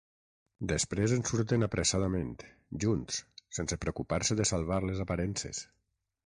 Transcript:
Després en surten apressadament, junts, sense preocupar-se de salvar les aparences.